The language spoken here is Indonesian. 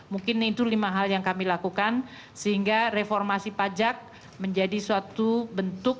mungkin itu lima hal yang kami lakukan sehingga reformasi pajak menjadi suatu bentuk